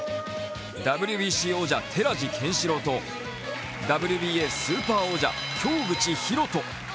ＷＢＣ王者・寺地拳四朗とＷＢＡスーパー王者・京口紘人。